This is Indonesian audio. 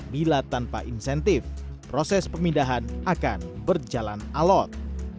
bila tanpa insentif proses pemindahan akan berjalan alot